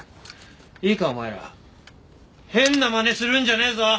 いいかお前ら変な真似するんじゃねえぞ！